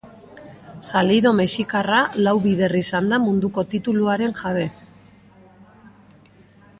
Salido mexikarra lau bider izan da munduko tituluaren jabe.